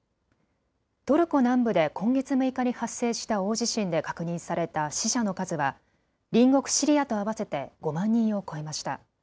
トルコ南部で今月６日に発生した大地震で確認された死者の数は隣国シリアと合わせて５万人を超えました。